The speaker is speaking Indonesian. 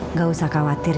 nggak usah khawatir ya